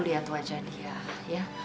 lihat wajah dia ya